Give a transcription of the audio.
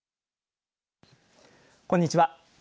こんにちは。